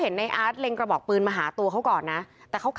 แล้วก็ได้คุยกับนายวิรพันธ์สามีของผู้ตายที่ว่าโดนกระสุนเฉียวริมฝีปากไปนะคะ